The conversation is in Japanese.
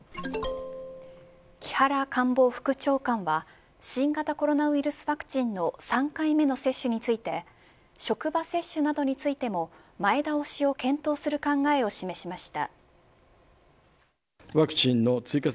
木原官房副長官は新型コロナウイルスワクチンの３回目の接種について職場接種などについても前倒しを検討する考えを示しました。